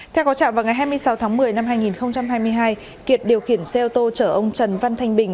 theo có trạm vào ngày hai mươi sáu tháng một mươi năm hai nghìn hai mươi hai kiệt điều khiển xe ô tô chở ông trần văn thanh bình